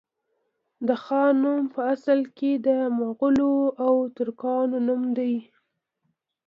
د خان نوم په اصل کي د مغولو او ترکانو نوم دی